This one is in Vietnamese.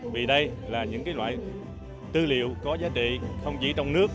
vì đây là những loại tư liệu có giá trị không chỉ trong nước